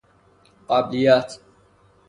قبلیت